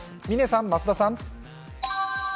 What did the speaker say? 嶺さん、増田さん。